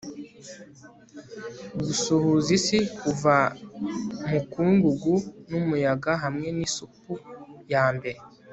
guhuza isi kuva mukungugu n'umuyaga hamwe nisupu yambere